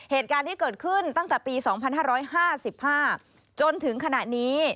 เหตุการณ์ที่เกิดขึ้นตั้งแต่ปี๒๕๕๕จนถึงขณะนี้